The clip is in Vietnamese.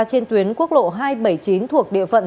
trên tuyến quốc lộ hai trăm bảy mươi chín thuộc địa phận